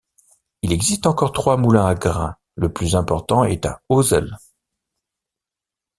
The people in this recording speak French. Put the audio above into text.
Il existe encore trois moulins à grain, le plus important est à Hozel.